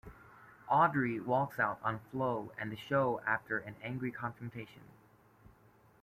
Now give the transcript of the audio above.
Audrey walks out on Flo and the show after an angry confrontation.